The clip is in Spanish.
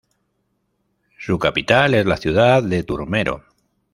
Su capital es la ciudad de Turmero.